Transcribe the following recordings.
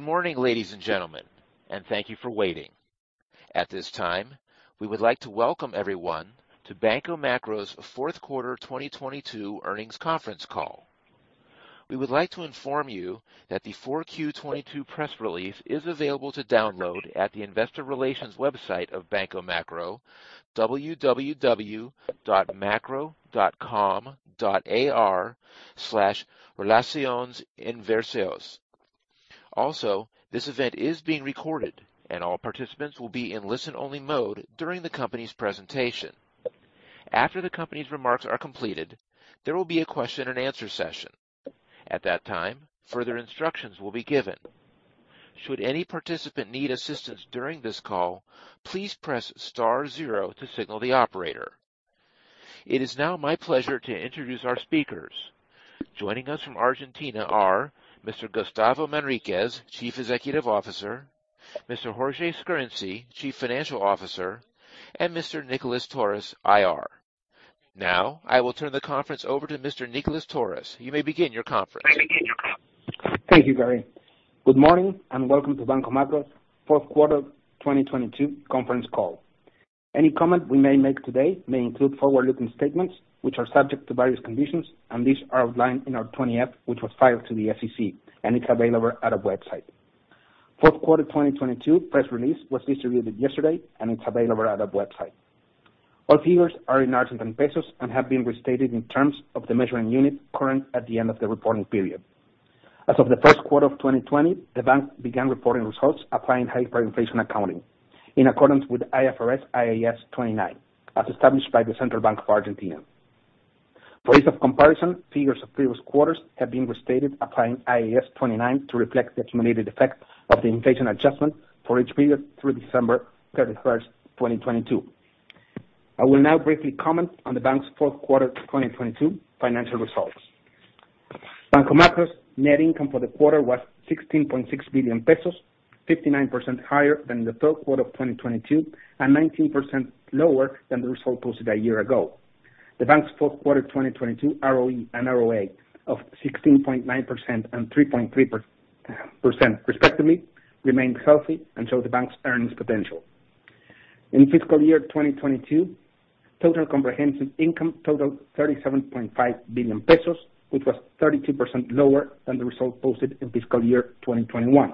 Good morning, ladies and gentlemen, and thank you for waiting. At this time, we would like to welcome everyone to Banco Macro's 4th quarter 2022 earnings conference call. We would like to inform you that the 4Q 2022 press release is available to download at the investor relations website of Banco Macro, www.macro.com.ar/relaciones-inversores. Also, this event is being recorded and all participants will be in listen-only mode during the company's presentation. After the company's remarks are completed, there will be a question and answer session. At that time, further instructions will be given. Should any participant need assistance during this call, please press star 0 to signal the operator. It is now my pleasure to introduce our speakers. Joining us from Argentina are Mr. Gustavo Manriquez, Chief Executive Officer, Mr. Jorge Scarinci, Chief Financial Officer, and Mr. Nicolás Torres, IR. Now, I will turn the conference over to Mr. Nicolás Torres. You may begin your conference. Thank you, Gary. Welcome to Banco Macro fourth quarter 2022 conference call. Any comment we may make today may include forward-looking statements which are subject to various conditions. These are outlined in our 20-F, which was filed to the SEC. It's available at our website. Fourth quarter 22 press release was distributed yesterday. It's available at our website. All figures are in Argentine pesos. Have been restated in terms of the measuring unit current at the end of the reporting period. As of the first quarter of 2020, the bank began reporting results applying hyperinflation accounting in accordance with IFRS IAS 29, as established by the Central Bank of Argentina. For ease of comparison, figures of previous quarters have been restated applying IAS 29 to reflect the accumulated effect of the inflation adjustment for each period through December 31, 2022. I will now briefly comment on the bank's fourth quarter of 2022 financial results. Banco Macro's net income for the quarter was 16.6 billion pesos, 59% higher than the third quarter of 2022, 19% lower than the result posted a year ago. The bank's fourth quarter 2022 ROE and ROA of 16.9% and 3.3% respectively remained healthy and show the bank's earnings potential. In fiscal year 2022, total comprehensive income totaled 37.5 billion pesos, which was 32% lower than the result posted in fiscal year 2021.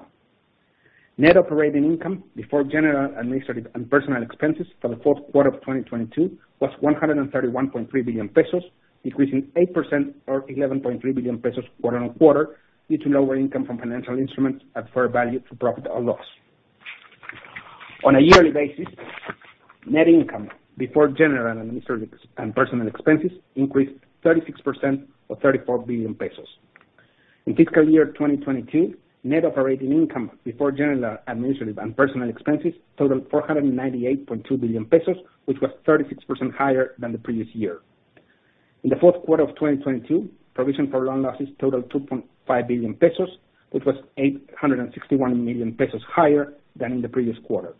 Net operating income before general, administrative, and personal expenses for the fourth quarter of 2022 was 131.3 billion pesos, decreasing 8% or 11.3 billion pesos quarter-on-quarter, due to lower income from financial instruments at fair value to profit or loss. On a yearly basis, net income before general, administrative, and personal expenses increased 36% or 34 billion pesos. In fiscal year 2022, net operating income before general, administrative, and personal expenses totaled 498.2 billion pesos, which was 36% higher than the previous year. In the fourth quarter of 2022, provision for loan losses totaled 2.5 billion pesos, which was 861 million pesos higher than in the previous quarter.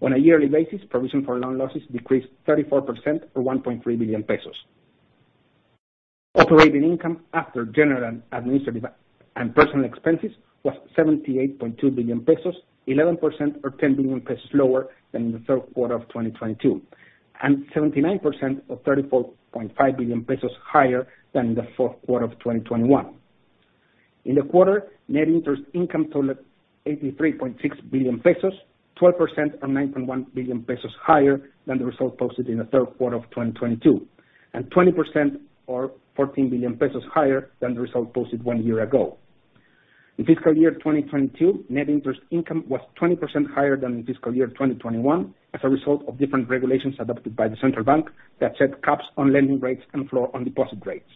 On a yearly basis, provision for loan losses decreased 34% or 1.3 billion pesos. Operating income after general, administrative, and personal expenses was 78.2 billion pesos, 11% or 10 billion pesos lower than in the third quarter of 2022, and 79% or 34.5 billion pesos higher than in the fourth quarter of 2021. In the quarter, net interest income totaled 83.6 billion pesos, 12% or 9.1 billion pesos higher than the result posted in the third quarter of 2022, and 20% or 14 billion pesos higher than the result posted one year ago. In fiscal year 2022, net interest income was 20% higher than in fiscal year 2021, as a result of different regulations adopted by the Central Bank that set caps on lending rates and floor on deposit rates.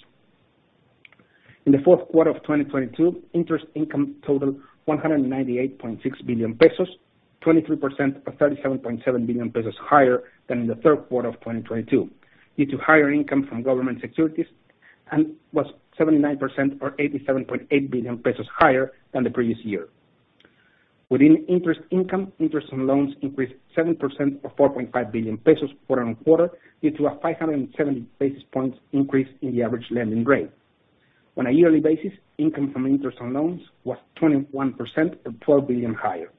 In the fourth quarter of 2022, interest income totaled 198.6 billion pesos, 23% or 37.7 billion pesos higher than in the third quarter of 2022, due to higher income from government securities, and was 79% or 87.8 billion pesos higher than the previous year. Within interest income, interest on loans increased 7% or 4.5 billion pesos quarter-on-quarter due to a 570 basis points increase in the average lending rate. On a yearly basis, income from interest on loans was 21% or 12 billion higher.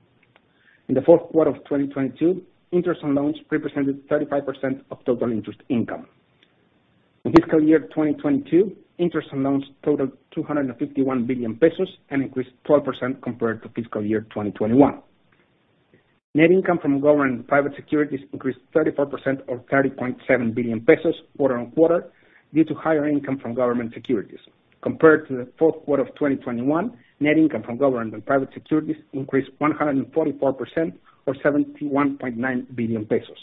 In the fourth quarter of 2022, interest on loans represented 35% of total interest income. In fiscal year 2022, interest on loans totaled 251 billion pesos and increased 12% compared to fiscal year 2021. Net income from government and private securities increased 34% or 30.7 billion pesos quarter-on-quarter, due to higher income from government securities. Compared to the fourth quarter of 2021, net income from government and private securities increased 144% or 71.9 billion pesos.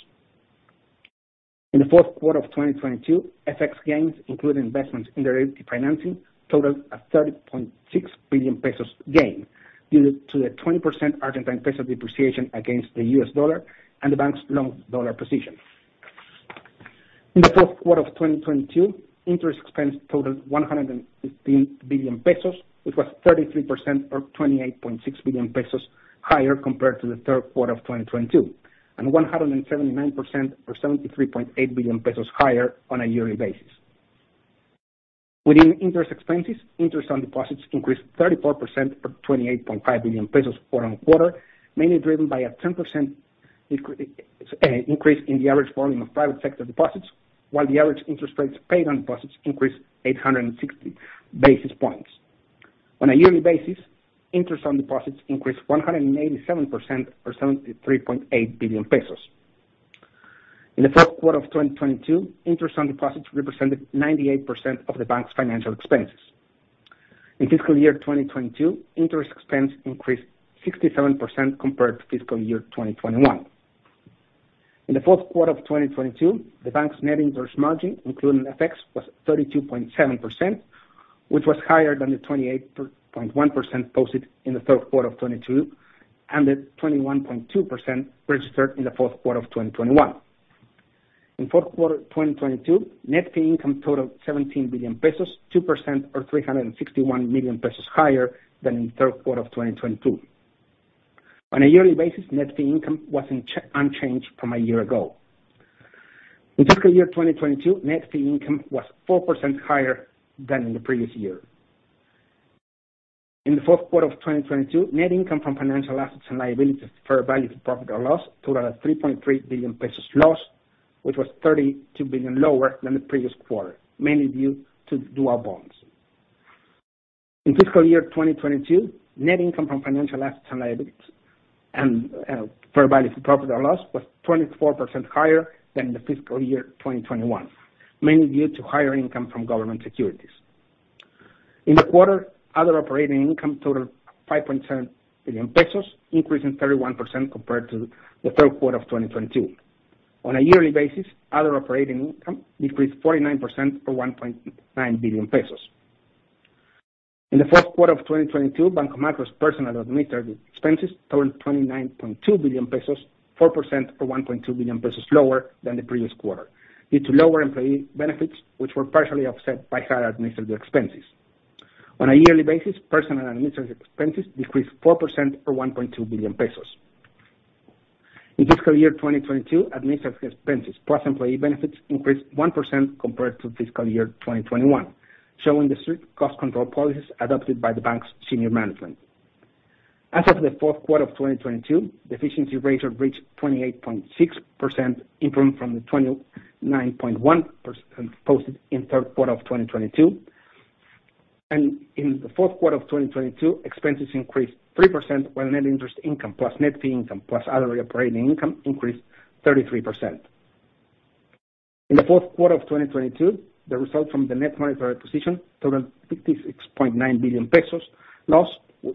In the fourth quarter of 2022, FX gains, including investments in derivative financing, totaled an 30.6 billion pesos gain, due to the 20% Argentine peso depreciation against the US dollar and the bank's long dollar position. In the fourth quarter of 2022, interest expense totaled 115 billion pesos, which was 33% or 28.6 billion pesos higher compared to the third quarter of 2022, and 179% or 73.8 billion pesos higher on a yearly basis. Within interest expenses, interest on deposits increased 34% for 28.5 billion pesos quarter-on-quarter, mainly driven by a 10% increase in the average volume of private sector deposits, while the average interest rates paid on deposits increased 860 basis points. On a yearly basis, interest on deposits increased 187% or 73.8 billion pesos. In the fourth quarter of 2022, interest on deposits represented 98% of the bank's financial expenses. In fiscal year 2022, interest expense increased 67% compared to fiscal year 2021. In the fourth quarter of 2022, the bank's net interest margin, including FX, was 32.7%, which was higher than the 28.1% posted in the third quarter of 2022 and the 21.2% registered in the fourth quarter of 2021. In the fourth quarter 2022, net fee income totaled 17 billion pesos, 2% or 361 million pesos higher than in third quarter of 2022. On a yearly basis, net fee income was unchanged from a year ago. In fiscal year 2022, net fee income was 4% higher than the previous year. In the fourth quarter of 2022, net income from financial assets and liabilities fair value to profit or loss totaled an 3.3 billion pesos loss, which was 32 billion lower than the previous quarter, mainly due to dual bonds. In fiscal year 2022, net income from financial assets and liabilities and fair value to profit or loss was 24% higher than the fiscal year 2021, mainly due to higher income from government securities. In the quarter, other operating income totaled 5.7 billion pesos, increasing 31% compared to the third quarter of 2022. On a yearly basis, other operating income decreased 49% or 1.9 billion pesos. In the fourth quarter of 2022, Banco Macro's personal administrative expenses totaled 29.2 billion pesos, 4% or 1.2 billion pesos lower than the previous quarter due to lower employee benefits, which were partially offset by higher administrative expenses. On a yearly basis, personal administrative expenses decreased 4% or 1.2 billion pesos. In fiscal year 2022, administrative expenses plus employee benefits increased 1% compared to fiscal year 2021, showing the strict cost control policies adopted by the bank's senior management. As of the fourth quarter of 2022, the efficiency ratio reached 28.6%, improving from the 29.1% posted in third quarter of 2022. In the fourth quarter of 2022, expenses increased 3%, while net interest income plus net fee income plus other operating income increased 33%. In the 4th quarter of 2022, the result from the net monetary position totaled 56.9 billion pesos loss,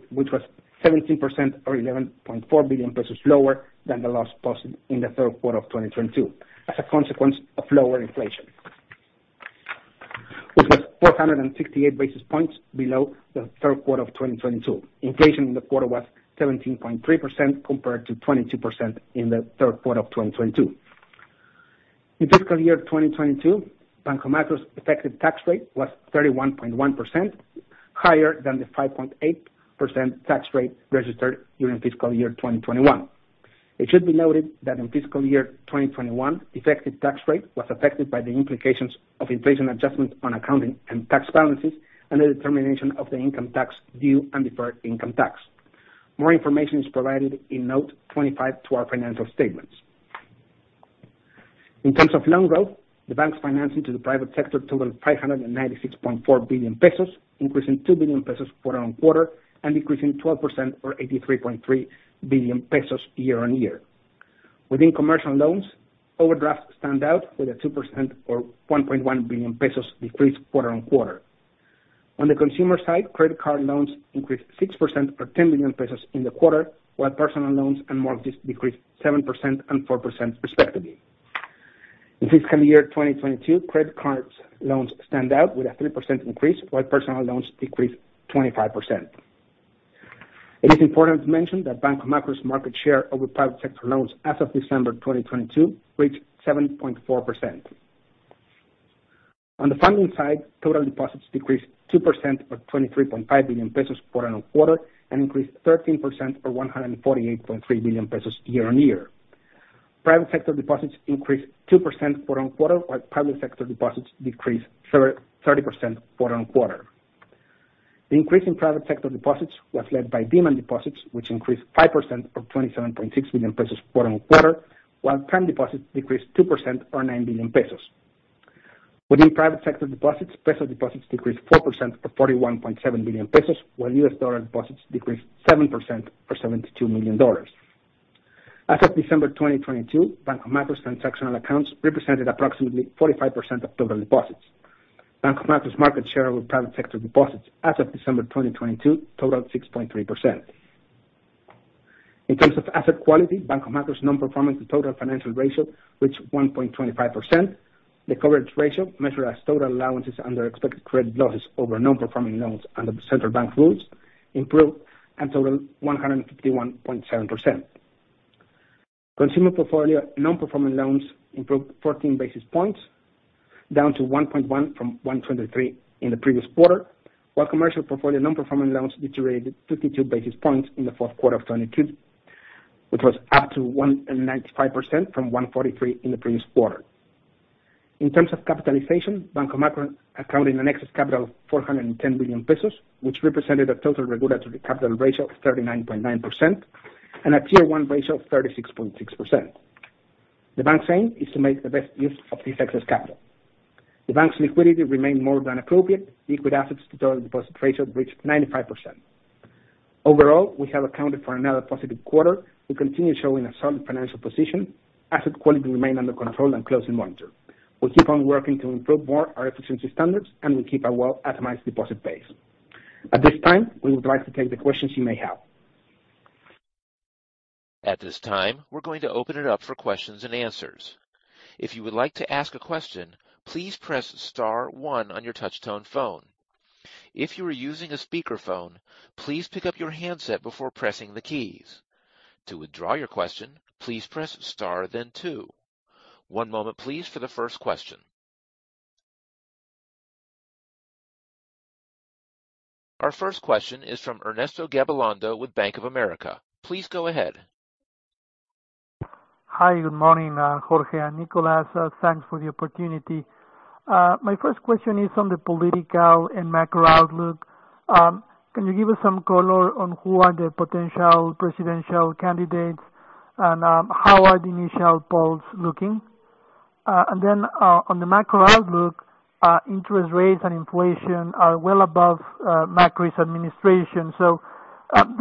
which was 17% or 11.4 billion pesos lower than the loss posted in the 3rd quarter of 2022 as a consequence of lower inflation. Which was 468 basis points below the 3rd quarter of 2022. Inflation in the quarter was 17.3% compared to 22% in the 3rd quarter of 2022. In fiscal year 2022, Banco Macro's effective tax rate was 31.1%, higher than the 5.8% tax rate registered during fiscal year 2021. It should be noted that in fiscal year 2021, effective tax rate was affected by the implications of inflation adjustment on accounting and tax balances and the determination of the income tax due and deferred income tax. More information is provided in Note 25 to our financial statements. In terms of loan growth, the bank's financing to the private sector totaled 596.4 billion pesos, increasing 2 billion pesos quarter-on-quarter and decreasing 12% or 83.3 billion pesos year-on-year. Within commercial loans, overdrafts stand out with a 2% or 1.1 billion pesos decrease quarter-on-quarter. On the consumer side, credit card loans increased 6% or 10 million pesos in the quarter, while personal loans and mortgages decreased 7% and 4% respectively. In fiscal year 2022, credit cards loans stand out with a 3% increase, while personal loans decreased 25%. It is important to mention that Banco Macro's market share over private sector loans as of December 2022 reached 7.4%. On the funding side, total deposits decreased 2% or 23.5 billion pesos quarter-on-quarter and increased 13% or 148.3 billion pesos year-on-year. Private sector deposits increased 2% quarter-on-quarter, while public sector deposits decreased 30% quarter-on-quarter. The increase in private sector deposits was led by demand deposits, which increased 5% or 27.6 billion pesos quarter-on-quarter, while time deposits decreased 2% or 9 billion pesos. Within private sector deposits, peso deposits decreased 4% or 41.7 billion pesos, while US dollar deposits decreased 7% or $72 million. As of December 2022, Banco Macro's transactional accounts represented approximately 45% of total deposits. Banco Macro's market share over private sector deposits as of December 2022 totaled 6.3%. In terms of asset quality, Banco Macro's non-performing to total financial ratio reached 1.25%. The coverage ratio, measured as total allowances under expected credit losses over non-performing loans under the Central Bank rules, improved and totaled 151.7%. Consumer portfolio non-performing loans improved 14 basis points, down to 1.1% from 1.23% in the previous quarter, while commercial portfolio non-performing loans deteriorated 52 basis points in the fourth quarter of 2022. Which was up to 195% from 143% in the previous quarter. In terms of capitalization, Banco Macro accounted an excess capital of 410 billion pesos, which represented a total regulatory capital ratio of 39.9% and a Tier 1 ratio of 36.6%. The bank's aim is to make the best use of this excess capital. The bank's liquidity remained more than appropriate. Liquid assets to total deposit ratio reached 95%. Overall, we have accounted for another positive quarter. We continue showing a solid financial position. Asset quality remained under control and closely monitored. We keep on working to improve more our efficiency standards. We keep a well-atomized deposit base. At this time, we would like to take the questions you may have. At this time, we're going to open it up for questions and answers. If you would like to ask a question, please press star one on your touchtone phone. If you are using a speakerphone, please pick up your handset before pressing the keys. To withdraw your question, please press star then two. One moment please for the first question. Our first question is from Ernesto Gabilondo with Bank of America. Please go ahead. Hi, good morning, Jorge and Nicolás. Thanks for the opportunity. My first question is on the political and macro outlook. Can you give us some color on who are the potential presidential candidates and how are the initial polls looking? On the macro outlook, interest rates and inflation are well above Macri's administration.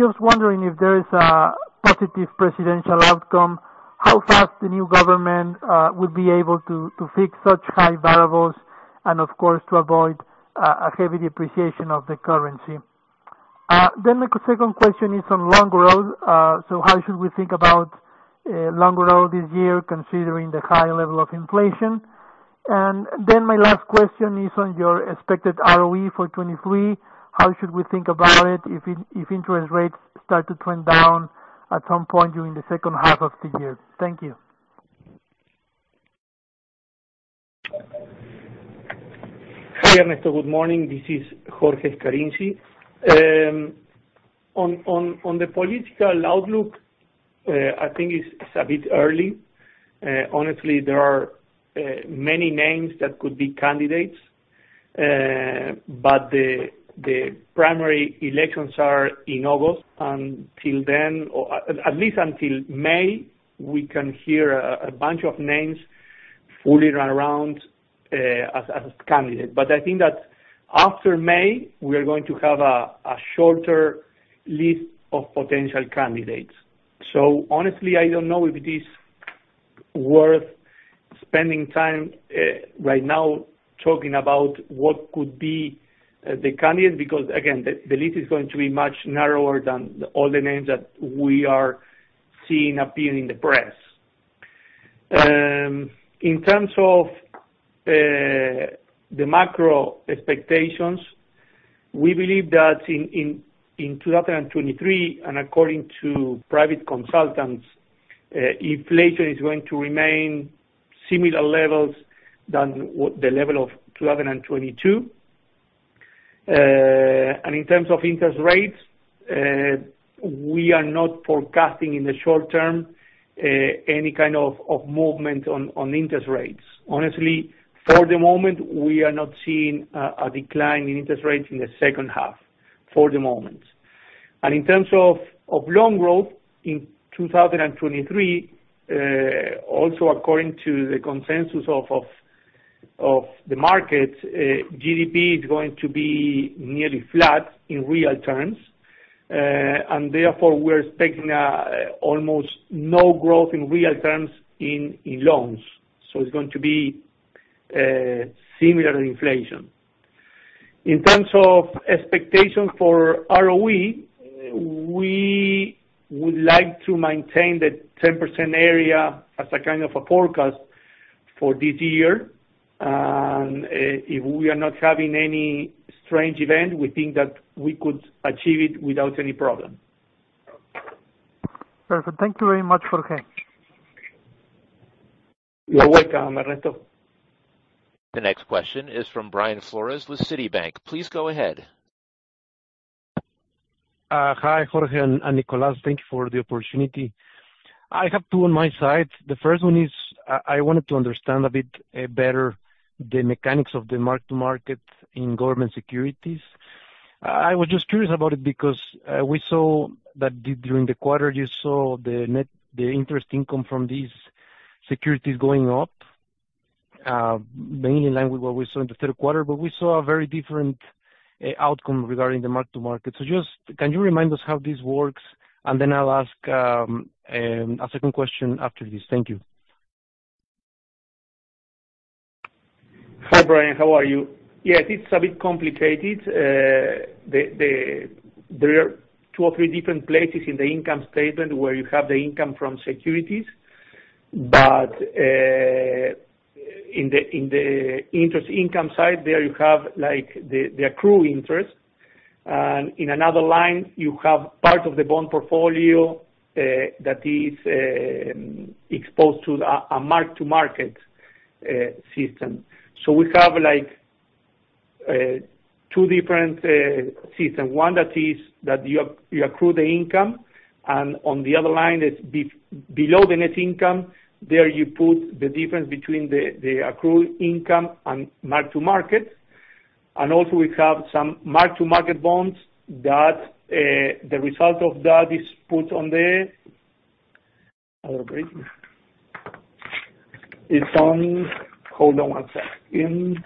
Just wondering if there is a positive presidential outcome, how fast the new government would be able to fix such high variables and of course, to avoid a heavy depreciation of the currency. The second question is on loan growth. How should we think about loan growth this year considering the high level of inflation? My last question is on your expected ROE for 2023. How should we think about it if interest rates start to trend down at some point during the second half of the year? Thank you. Hi, Ernesto. Good morning. This is Jorge Scarinci. On the political outlook, I think it's a bit early. Honestly, there are many names that could be candidates, but the primary elections are in August. Until then, or at least until May, we can hear a bunch of names fully run around as candidates. I think that after May, we are going to have a shorter list of potential candidates. Honestly, I don't know if it is worth spending time right now talking about what could be the candidate, because again, the list is going to be much narrower than all the names that we are seeing appear in the press. In terms of the macro expectations, we believe that in 2023, according to private consultants, inflation is going to remain similar levels than the level of 2022. In terms of interest rates, we are not forecasting in the short term any kind of movement on interest rates. Honestly, for the moment, we are not seeing a decline in interest rates in the second half, for the moment. In terms of loan growth in 2023, also according to the consensus of the market, GDP is going to be nearly flat in real terms. Therefore, we're expecting almost no growth in real terms in loans. It's going to be similar to inflation. In terms of expectation for ROE, we would like to maintain the 10% area as a kind of a forecast for this year. If we are not having any strange event, we think that we could achieve it without any problem. Perfect. Thank you very much, Jorge. You're welcome, Ernesto. The next question is from Brian Flores with Citibank. Please go ahead. Hi, Jorge and Nicolás. Thank you for the opportunity. I have two on my side. The first one is, I wanted to understand a bit better the mechanics of the mark-to-market in government securities. I was just curious about it because we saw that during the quarter, you saw the net interest income from these securities going up, mainly in line with what we saw in the third quarter. We saw a very different outcome regarding the mark-to-market. Just, can you remind us how this works? I'll ask a second question after this. Thank you. Hi, Brian. How are you? Yes, it's a bit complicated. There are two or three different places in the income statement where you have the income from securities. In the interest income side there, you have like the accrued interest. In another line, you have part of the bond portfolio that is exposed to a mark-to-market system. We have like two different season one that is, you accrue the income, and on the other line is below the net income, there you put the difference between the accrued income and mark-to-market. Also we have some mark-to-market bonds that the result of that is put on the... It's on... Hold on one sec. In...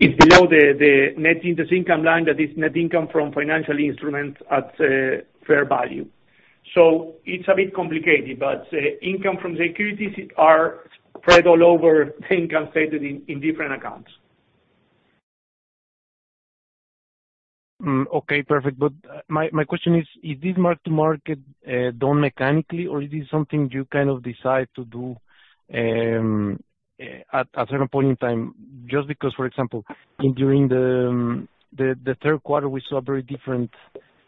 It's below the net interest income line, that is net income from financial instruments at fair value. It's a bit complicated, but income from securities are spread all over the income stated in different accounts. Okay. Perfect. My question is this mark-to-market done mechanically or is this something you kind of decide to do at a certain point in time? Because, for example, in during the third quarter, we saw a very different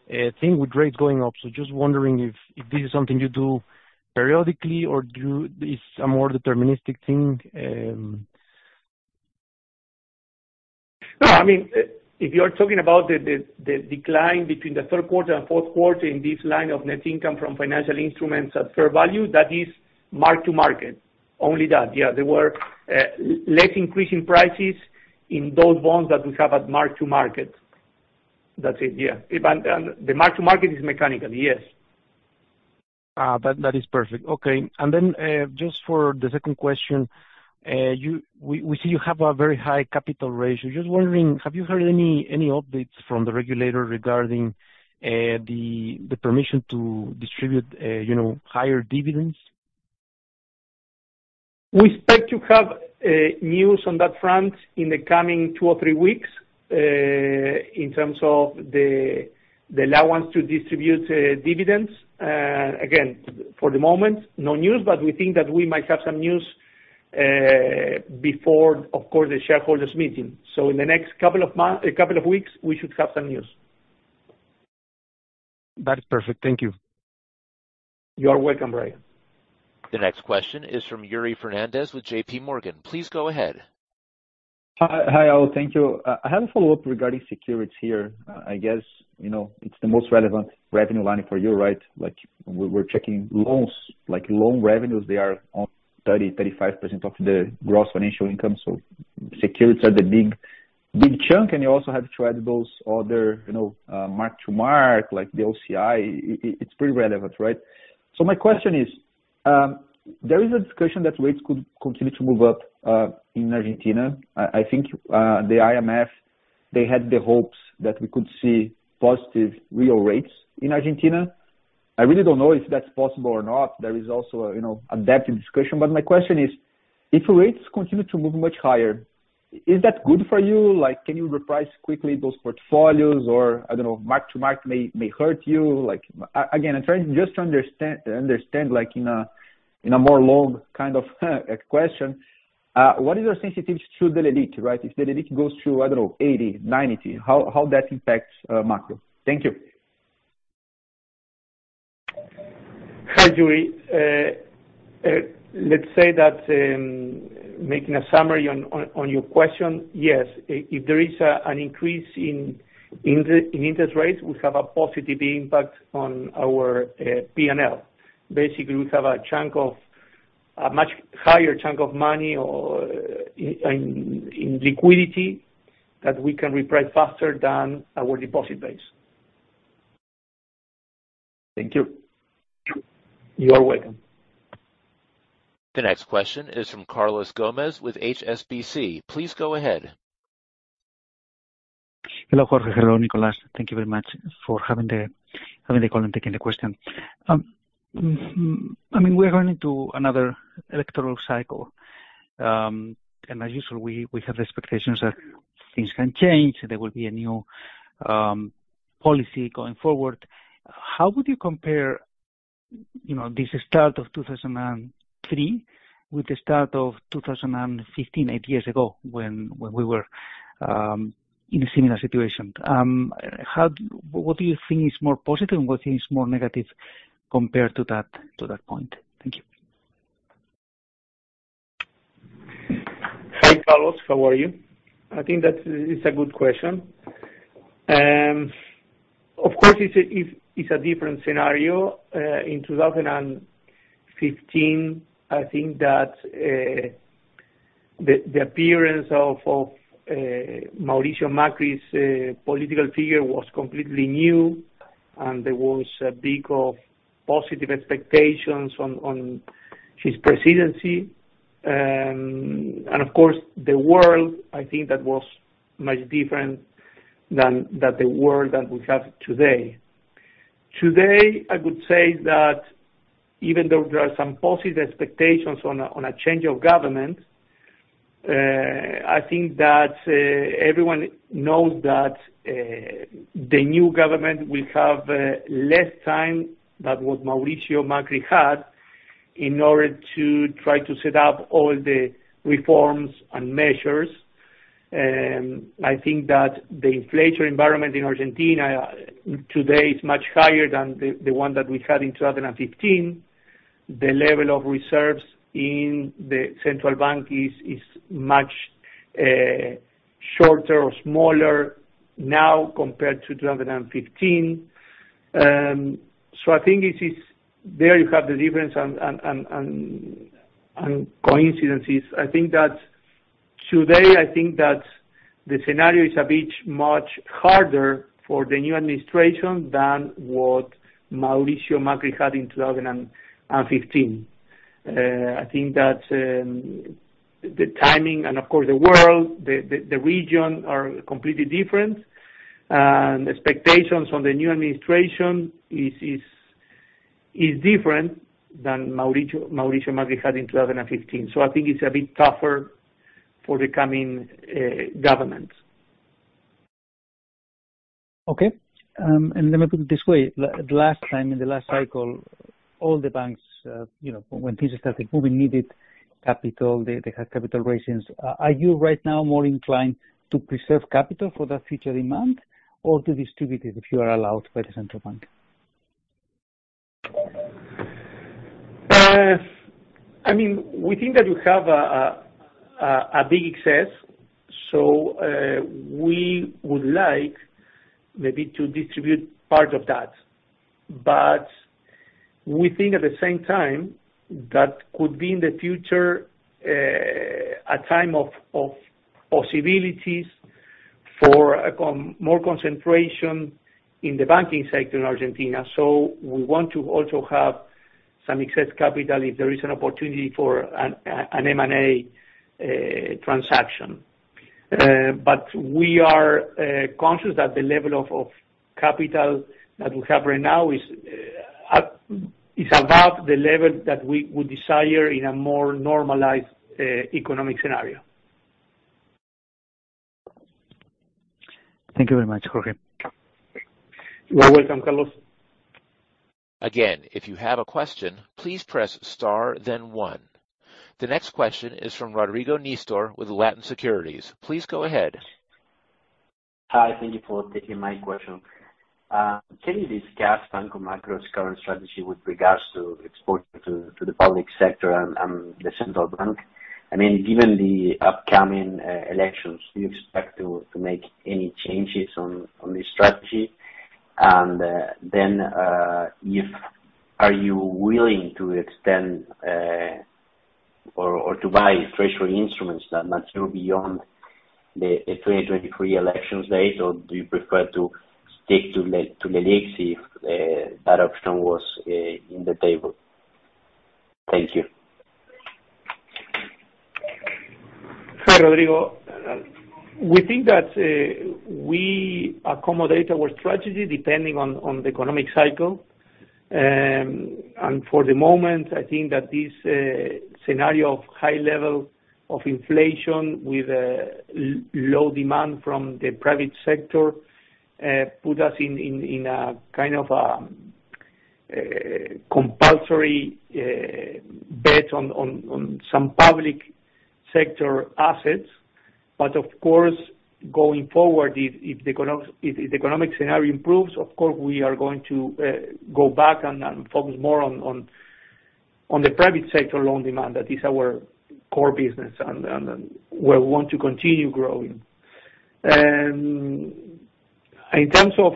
thing with rates going up. Wondering if this is something you do periodically or it's a more deterministic thing. No. I mean, if you are talking about the decline between the third quarter and fourth quarter in this line of net income from financial instruments at fair value, that is mark-to-market. Only that. Yeah. There were less increase in prices in those bonds that we have at mark-to-market. That's it. Yeah. The mark-to-market is mechanical. Yes. That is perfect. Okay. Just for the second question, we see you have a very high capital ratio. Just wondering, have you heard any updates from the regulator regarding the permission to distribute, you know, higher dividends? We expect to have news on that front in the coming two or three weeks, in terms of the allowance to distribute dividends. Again, for the moment, no news, but we think that we might have some news, before, of course, the shareholders meeting. In the next couple of weeks, we should have some news. That is perfect. Thank you. You are welcome, Brian. The next question is from Yuri Fernandes with JPMorgan. Please go ahead. Hi. Hi, all. Thank you. I have a follow-up regarding securities here. I guess, you know, it's the most relevant revenue line for you, right? Like, we're checking loans, like loan revenues, they are on 30%-35% of the gross financial income. Securities are the big chunk. You also have to add those other, you know, mark-to-market, like the OCI, it's pretty relevant, right? My question is, there is a discussion that rates could continue to move up in Argentina. I think the IMF, they had the hopes that we could see positive real rates in Argentina. I really don't know if that's possible or not. There is also, you know, a depth in discussion. My question is, if rates continue to move much higher, is that good for you? Like, can you reprice quickly those portfolios or, I don't know, mark-to-market may hurt you? Like, again, I'm trying just to understand, like, in a, in a more long kind of question, what is your sensitivity to the LELIQ, right? If the LELIQ goes to, I don't know, 80, 90, how that impacts Macro? Thank you. Hi, Yuri. Let's say that, making a summary on your question, yes. If there is an increase in interest rates, we have a positive impact on our P&L. Basically, we have a chunk of a much higher chunk of money or in liquidity that we can reprice faster than our deposit base. Thank you. You are welcome. The next question is from Carlos Gomez with HSBC. Please go ahead. Hello, Jorge. Hello, Nicolás. Thank you very much for having the call and taking the question. I mean, we're going into another electoral cycle, as usual we have expectations that things can change. There will be a new policy going forward. How would you compare, you know, this start of 2003 with the start of 2015, eight years ago, when we were in a similar situation? What do you think is more positive and what do you think is more negative compared to that, to that point? Thank you. Hi, Carlos. How are you? I think that it's a good question. Of course it's a different scenario. In 2015, I think that the appearance of Mauricio Macri's political figure was completely new, and there was a big of positive expectations on his presidency. Of course, the world, I think that was much different than the world that we have today. Today, I would say that even though there are some positive expectations on a change of government, I think that everyone knows that the new government will have less time than what Mauricio Macri had in order to try to set up all the reforms and measures. I think that the inflation environment in Argentina today is much higher than the one that we had in 2015. The level of reserves in the central bank is much shorter or smaller now compared to 2015. I think it is there you have the difference and coincidences. I think that today, I think that the scenario is a bit much harder for the new administration than what Mauricio Macri had in 2015. I think that the timing and of course the world, the region are completely different. Expectations on the new administration is different than Mauricio Macri had in 2015. I think it's a bit tougher for the coming government. Okay. Let me put it this way. The last time in the last cycle, all the banks, you know, when things started moving, needed capital. They had capital ratios. Are you right now more inclined to preserve capital for that future demand or to distribute it if you are allowed by the Central Bank of Argentina? I mean, we think that you have a big success. We would like maybe to distribute part of that. We think at the same time, that could be in the future, a time of possibilities for more concentration in the banking sector in Argentina. We want to also have some excess capital if there is an opportunity for an M&A transaction. We are conscious that the level of capital that we have right now is above the level that we would desire in a more normalized economic scenario. Thank you very much, Jorge. You're welcome, Carlos. If you have a question, please press star then one. The next question is from Rodrigo Nistor with Latin Securities. Please go ahead. Hi, thank you for taking my question. Can you discuss Banco Macro's current strategy with regards to exposure to the public sector and the Central Bank? I mean, given the upcoming elections, do you expect to make any changes on this strategy? Are you willing to extend or to buy treasury instruments that mature beyond the 2023 elections date? Do you prefer to stick to LELIQs if that option was in the table? Thank you. Hi, Rodrigo. We think that we accommodate our strategy depending on the economic cycle. For the moment, I think that this scenario of high level of inflation with low demand from the private sector put us in a kind of a compulsory bet on some public sector assets. Of course, going forward, if the economic scenario improves, of course, we are going to go back and focus more on the private sector loan demand. That is our core business and where we want to continue growing. In terms of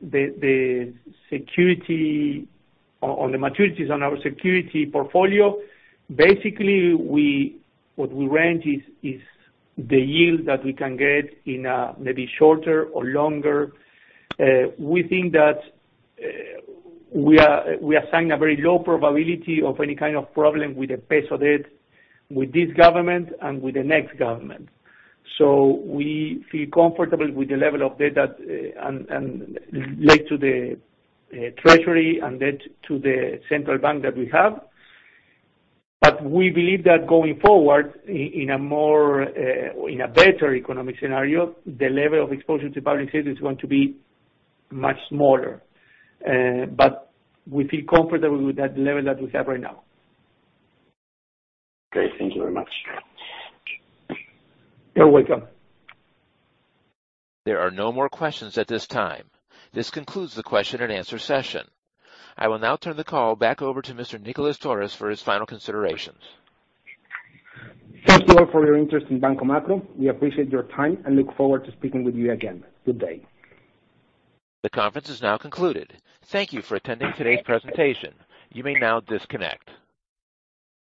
the security or the maturities on our security portfolio, basically, what we range is the yield that we can get in a maybe shorter or longer. We think that, we are, we assign a very low probability of any kind of problem with the peso debt with this government and with the next government. We feel comfortable with the level of debt that, and led to the, treasury and debt to the Central Bank that we have. We believe that going forward in a more, or in a better economic scenario, the level of exposure to public sector is going to be much smaller. We feel comfortable with that level that we have right now. Great. Thank you very much. You're welcome. There are no more questions at this time. This concludes the question and answer session. I will now turn the call back over to Mr. Nicolás Torres for his final considerations. Thank you all for your interest in Banco Macro. We appreciate your time and look forward to speaking with you again. Good day. The conference is now concluded. Thank Thank you for attending today's presentation. You may now disconnect.